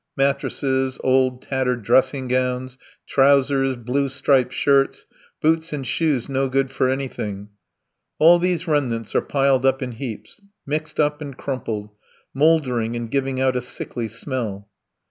Mattresses, old tattered dressing gowns, trousers, blue striped shirts, boots and shoes no good for anything all these remnants are piled up in heaps, mixed up and crumpled, mouldering and giving out a sickly smell.